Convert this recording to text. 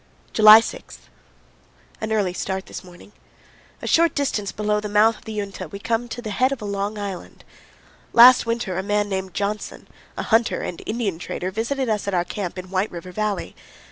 JULY 6. An early start this morning. A short distance below the mouth of the Uinta we come to the head of a long island. Last winter a man named Johnson, a hunter and Indian trader, visited us at our camp in White River Valley.